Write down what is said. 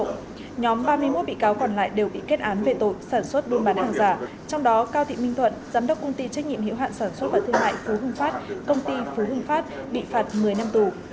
nhóm ba mươi một bị cáo còn lại đều bị kết án về tội sản xuất đuôn bán hàng giả trong đó cao thị minh thuận giám đốc công ty trách nhiệm hiệu hạn sản xuất và thương mại phú hưng phát công ty phú hưng phát bị phạt một mươi năm tù